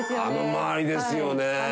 あの周りですよね。